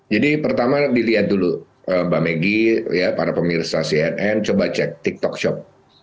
pertama dilihat dulu mbak meggy para pemirsa cnn coba cek tiktok shop